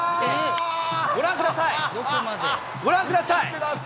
ご覧ください、ご覧ください。